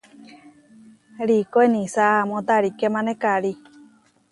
Riikó inísa amó tarikémane karí.